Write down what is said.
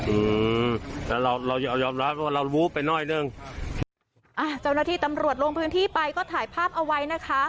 อืมแต่เราเรายอมรับว่าเรารู้ไปหน่อยหนึ่งอ่าเจ้าหน้าที่ตำรวจลงพื้นที่ไปก็ถ่ายภาพเอาไว้นะคะ